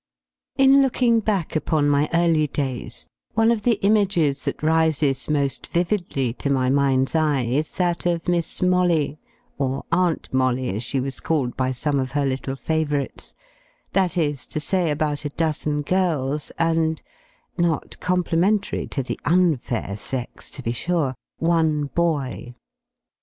In looking back upon my early days, one of the images that rises most vividly to my mind's eye is that of Miss Molly , or Aunt Molly, as she was called by some of her little favorites, that is to say, about a dozen girls, and (not complimentary to the _un_fair sex, to be sure) one boy.